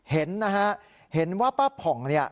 เห็นนะฮะเห็นว่าป้าผ่องเนี่ย